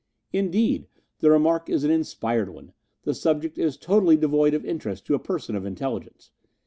Indeed, the remark is an inspired one; the subject is totally devoid of interest to a person of intelligence